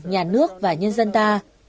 nhà nước và nhân dân ta